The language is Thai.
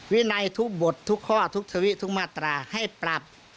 วินัยทุกบททุกข้อทุกทวิทุกมาตราให้ปรับ